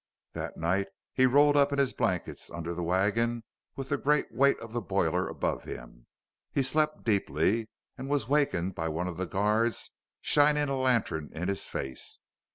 That night he rolled up in his blankets under the wagon with the great weight of the boiler above him. He slept deeply and was wakened by one of the guards shining a lantern in his face.